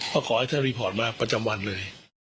ก็ขอให้ท่านรีพอร์ตมาประจำวันเลย